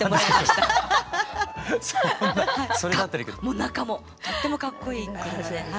もう中もとってもかっこいい車で。